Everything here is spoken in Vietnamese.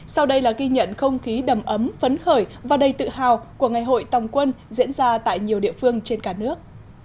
sau đây là ghi nhận không khí đầm ấm phấn khởi và đầy tự hào của ngày hội tòng quân diễn ra tại nhiều địa phương trên cả nước